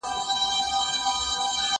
زه مخکي مېوې راټولې کړي وې،